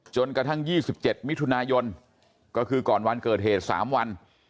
จนกระทั่ง๒๗มิถุนายนก็คือก่อนวันเกิดเหตุ๓วัน